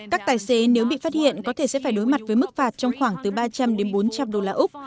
các tài xế nếu bị phát hiện có thể sẽ phải đối mặt với mức phạt trong khoảng từ ba trăm linh đến bốn trăm linh đô la úc